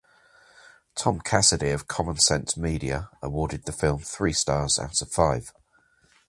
Tom Cassidy of Common Sense Media awarded the film three stars out of five.